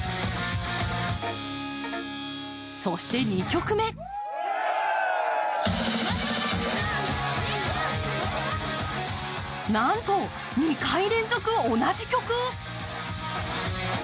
そして２曲目なんと、２回連続同じ曲！